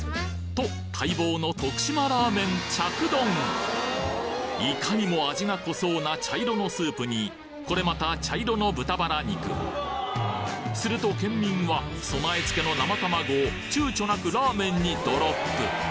と待望の徳島ラーメン着丼いかにも味が濃そうな茶色のスープにこれまた茶色の豚バラ肉すると県民は備え付けの生卵を躊躇なくラーメンにドロップ！